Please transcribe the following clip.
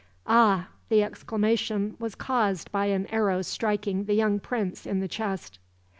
"Ah!" the exclamation was caused by an arrow striking the young prince in the chest.